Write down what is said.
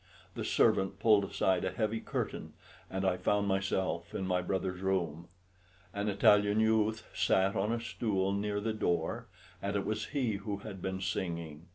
The servant pulled aside a heavy curtain and I found myself in my brother's room. An Italian youth sat on a stool near the door, and it was he who had been singing.